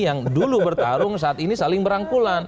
yang dulu bertarung saat ini saling berangkulan